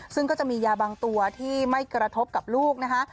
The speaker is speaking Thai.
ซึ่งก็จะมียาบางตัวที่ไม่กระทบกับลูกนะคะ